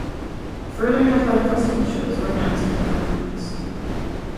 Further headline festival shows were announced in the coming weeks.